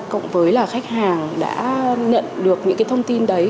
cộng với là khách hàng đã nhận được những cái thông tin đấy